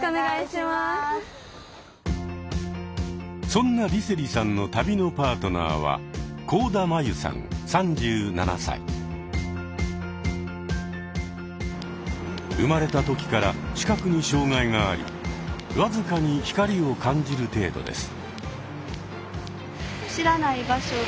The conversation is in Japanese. そんな梨星さんの旅のパートナーは生まれた時から視覚に障害があり僅かに光を感じる程度です。